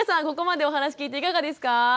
ここまでお話聞いていかがですか？